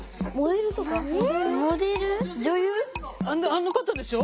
あの方でしょ？